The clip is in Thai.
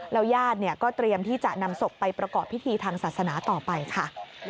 ญาติก็เตรียมที่จะนำศพไปประกอบพิธีทางศาสนาต่อไปค่ะ